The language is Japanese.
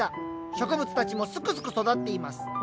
植物たちもすくすく育っています